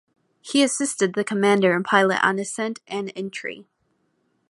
He assisted the commander and pilot on ascent and entry.